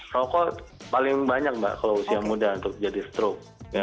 rokok paling banyak mbak kalau usia muda untuk jadi stroke